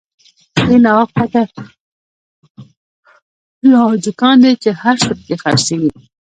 دين اخوان ته يو دکان دی، چی هر څه په کی خر څيږی